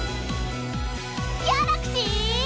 ギャラクシー！